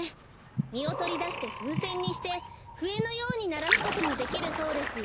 みをとりだしてふうせんにしてふえのようにならすこともできるそうですよ。